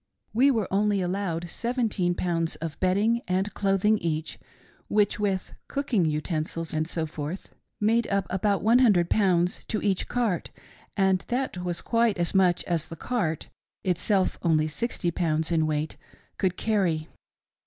We were only allowed seventeen pounds of bedding and clothing each, which, with cooking utensils, &c., made up about one hundred pounds to each cart, and that was quite as much as the cart (itself only sixty pounds in weight) could carry.